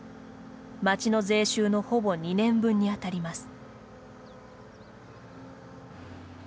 町の税収のほぼ２年分に当たります。